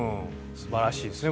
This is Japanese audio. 素晴らしいですね